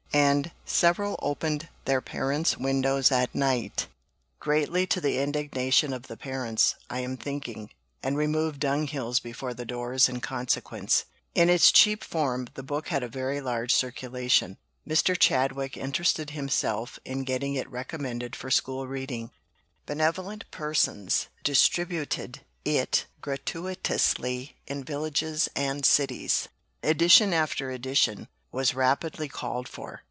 And several opened their parents' windows at night (greatly to the indignation of the parents, I am thinking), and removed dung hills before the doors in consequence." In its cheap form, the book had a very large circulation. Mr. Chadwick interested himself in getting it recommended for school reading. Benevolent persons distributed it gratuitously in villages and cities. Edition after edition was rapidly called for.